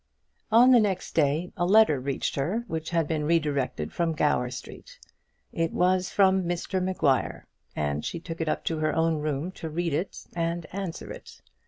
On the next day a letter reached her which had been redirected from Gower Street. It was from Mr Maguire; and she took it up into her own room to read it and answer it.